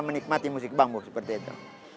menikmati musik bambu seperti itu